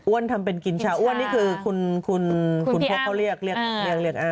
อ้วนทำเป็นกินชาอ้วนนี่คือคุณโพสต์เขาเรียกอ้ำ